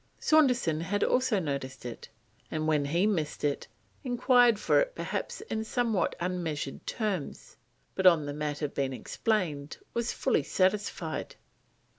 Saunderson had also noticed it, and when he missed it, enquired for it perhaps in somewhat unmeasured terms, but, on the matter being explained, was fully satisfied.